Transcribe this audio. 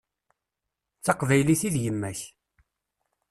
D taqbaylit i d yemma-k.